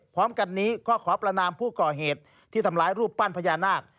พร้อมกันนี้ก็ขอประนามผู้ก่อเหตุที่ทำร้ายรูปปั้นพญานาค